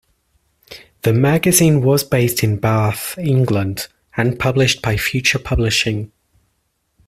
The magazine was based in Bath, England and published by Future Publishing.